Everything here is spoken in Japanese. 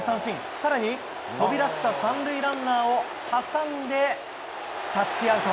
更に、飛び出した３塁ランナーを挟んでタッチアウト。